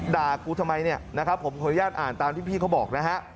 กูทำไมเนี่ยนะครับผมขออนุญาตอ่านตามที่พี่เขาบอกนะฮะ